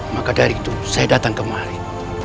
maka dari itu saya datang kemari